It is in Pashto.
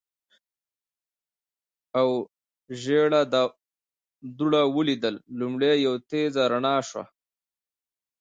او ژېړه دوړه ولیدل، لومړی یوه تېزه رڼا شول.